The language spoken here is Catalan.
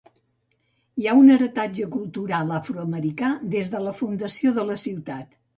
Hi ha un heretatge cultural afroamericà des de la fundació de la ciutat.